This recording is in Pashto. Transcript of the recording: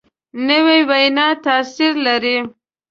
نوې وینا تاثیر لري